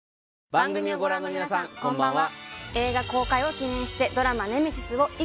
番組をご覧の皆さんこんばんは。